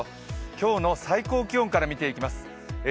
今日の最高気温から見ていきます